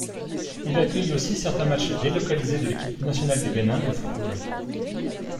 Il accueille aussi certains matchs délocalisés de l'Équipe nationale du Bénin de Football.